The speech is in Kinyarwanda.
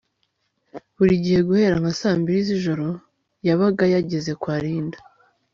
buri gihe guhera nka saa mbiri zijoro yabaga yageze kwa Linda